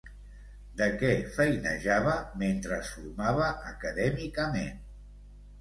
De què feinejava mentre es formava acadèmicament?